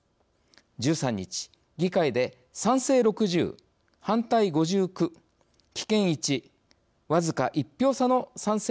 １３日、議会で賛成６０、反対５９、棄権１僅か１票差の賛成